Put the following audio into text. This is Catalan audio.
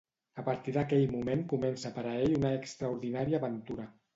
A partir d'aquell moment comença per a ell una extraordinària aventura.